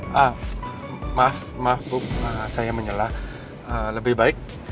pertama kali kamu ngomong sama pangeran